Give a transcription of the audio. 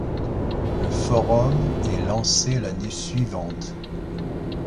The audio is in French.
Le forum est lancé l'année suivante.